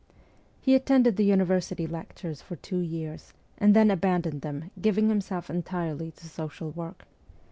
He attended the university lectures for two years, and then abandoned them, giving himself entirely to social work.